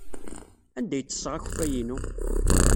Anda ay ttesseɣ akeffay-inu?